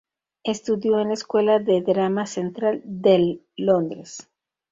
Estudió en la Escuela de Drama Central del Londres.